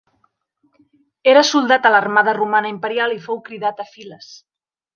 Era soldat a l'armada romana imperial i fou cridat a files.